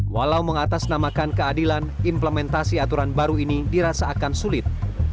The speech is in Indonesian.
walau mengatasnamakan keadilan implementasi aturan baru ini dirasakan sulit